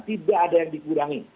tidak ada yang dikurangi